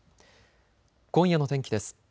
今夜の天気です。